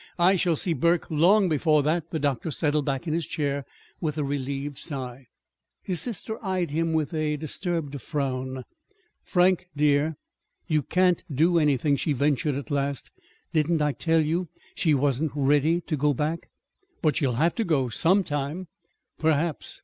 I shall see Burke long before that." The doctor settled back in his chair with a relieved sigh. His sister eyed him with a disturbed frown. "Frank, dear, you can't do anything," she ventured at last. "Didn't I tell you she wasn't ready to go back?" "But she'll have to go some time." "Perhaps.